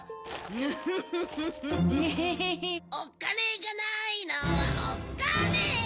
お金がないのはおっかねえ。